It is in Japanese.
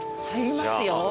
入りますよ。